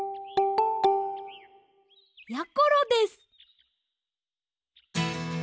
やころです！